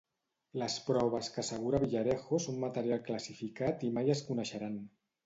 Les proves que assegura Villarejo són material classificat i mai es coneixeran.